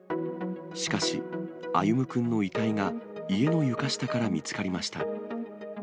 しかし、歩夢くんの遺体が家の床下から見つかりました。